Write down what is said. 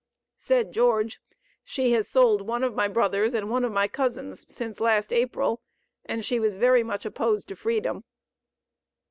Said George, "She has sold one of my brothers and one of my cousins since last April, and she was very much opposed to freedom."